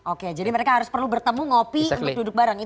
oke jadi mereka harus perlu bertemu ngopi untuk duduk bareng